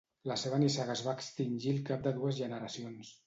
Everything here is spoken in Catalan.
La seva nissaga es va extingir al cap de dues generacions.